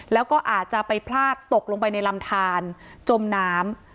แล้วก็อาจจะไปพลาดตกลงไปในลำทานจมน้ำ